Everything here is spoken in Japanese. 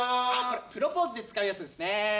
プロポーズで使うやつですね。